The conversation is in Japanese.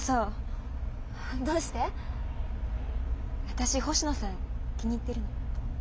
私星野さん気に入ってるの。